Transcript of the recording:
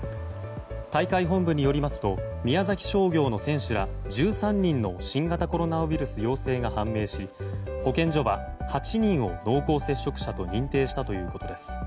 大会本部によりますと宮崎商業の選手ら１３人の新型コロナウイルス陽性が判明し保健所は８人を濃厚接触者と認定したということです。